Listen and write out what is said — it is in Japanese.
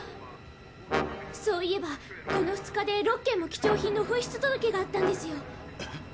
そういえばこの２日で６件も貴重品の紛失届があったんですよ。